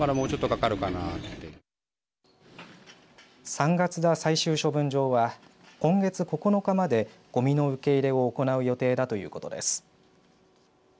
三月田最終処分場は今月９日までごみの受け入れを行う予定だということです。